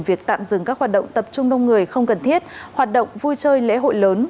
việc tạm dừng các hoạt động tập trung đông người không cần thiết hoạt động vui chơi lễ hội lớn